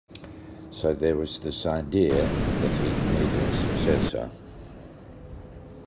So there was this idea that he'd need a successor.